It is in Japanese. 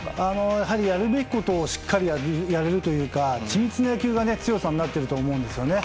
やはり、やるべきことをしっかりやるというかち密な野球が強さになっていると思うんですね。